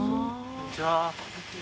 ・こんにちは。